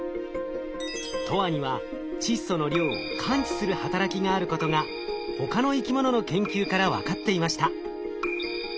ＴＯＲには窒素の量を感知する働きがあることが他の生き物の研究から分かっていました。